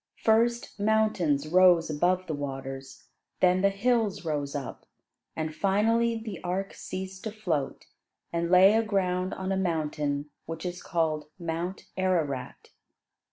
First mountains rose above the waters, then the hills rose up, and finally the ark ceased to float and lay aground on a mountain which is called Mount Ararat.